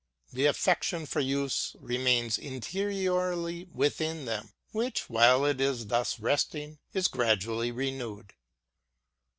The af fection for use remains interiorly within them, which, while it is thus resting, is gradually renewed.